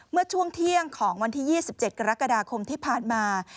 เมื่อช่วงเที่ยงของวันที่๒๗กรกฎาคมที่ผ่านมา